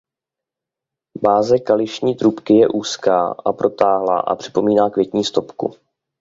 Báze kališní trubky je úzká a protáhlá a připomíná květní stopku.